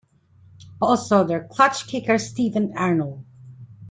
Also, their clutch kicker Stephen Arnold.